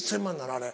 あれ。